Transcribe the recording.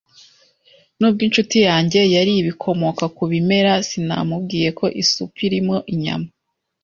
Nubwo inshuti yanjye yari ibikomoka ku bimera, sinamubwiye ko isupu irimo inyama.